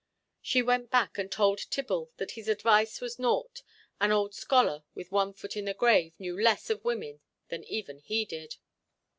She went back and told Tibble that his device was nought, an old scholar with one foot in the grave knew less of women than even he did!